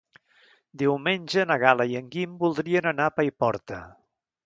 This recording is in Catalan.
Diumenge na Gal·la i en Guim voldrien anar a Paiporta.